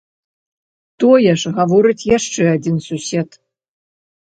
Тое ж гаворыць яшчэ адзін сусед.